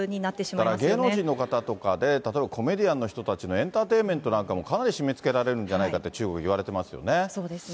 だから芸能人の方とかで、例えばコメディアンの人たちのエンターテインメントなども、かなり締めつけられるんじゃないかって、中国、言われてますよね。